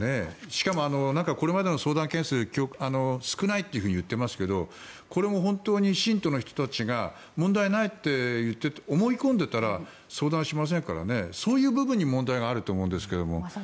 しかも、これまでの相談件数少ないと言っていますけどもこれも本当に信徒の人たちが問題ないって思い込んでいたら相談しませんからそういう部分に問題があると思うんですけど。